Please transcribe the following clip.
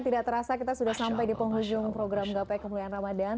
tidak terasa kita sudah sampai di penghujung program gapai kemuliaan ramadhan